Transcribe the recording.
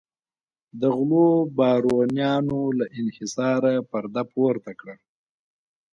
د غلو بارونیانو له انحصاره پرده پورته کړه.